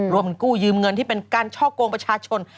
กู้ยืมเงินที่เป็นการช่อกงประชาชน